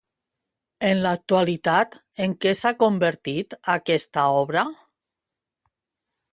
En l'actualitat, en què s'ha convertit aquesta obra?